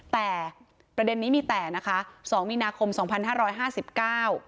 แต่ประเด็นนี้มีแต่นะคะสองมีนาคมสองพันห้าร้อยห้าสิบเก้า